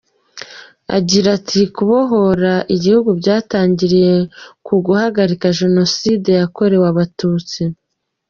Agira ati «Kubohora igihugu byatangiriye ku guhagarika Jenoside yakorewe Abatutsi.